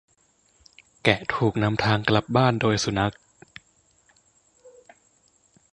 แกะถูกนำทางกลับบ้านโดยสุนัข